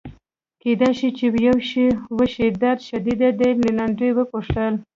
کیدای شي چي یو څه وشي، درد شدید دی؟ رینالډي وپوښتل.